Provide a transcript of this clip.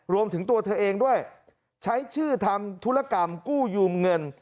รวมถึงตัวเธอเองด้วยใช้ชื่อทำธุรกรรมกู้ยูงเงิน